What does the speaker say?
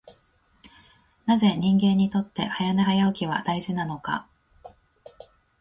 なぜ人間にとって早寝早起きは大事なのか。